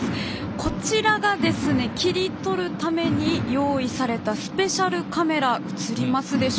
こちらが切り取るために用意されたスペシャルカメラです。